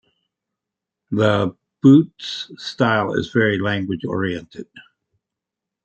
LaBute's style is very language-oriented.